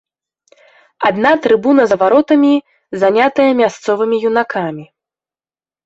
Адна трыбуна за варотамі занятая мясцовымі юнакамі.